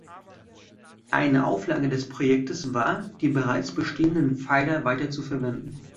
Eine Auflage des Projektes war, die bereits bestehenden Pfeiler weiter zu verwenden.